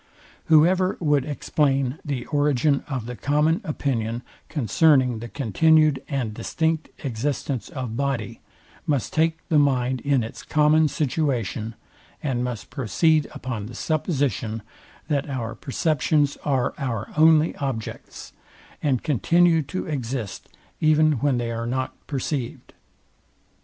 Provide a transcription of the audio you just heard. Whoever would explain the origin of the common opinion concerning the continued and distinct existence of body, must take the mind in its common situation, and must proceed upon the supposition, that our perceptions are our only objects, and continue to exist even when they are not perceived.